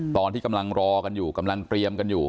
ตอนที่กำลังรอกันอยู่กำลังเตรียมกันอยู่